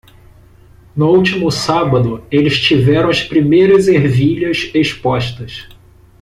No último sábado eles tiveram as primeiras ervilhas expostas.